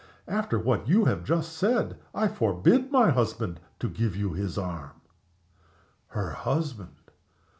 After what you have just said I forbid my husband to give you his arm." Her husband!